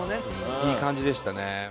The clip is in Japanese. いい感じでしたね。